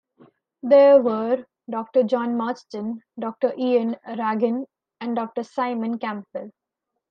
They were: Doctor John Marsden, Doctor Ian Ragan and Doctor Simon Campbell.